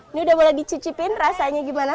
ini udah boleh dicicipin rasanya gimana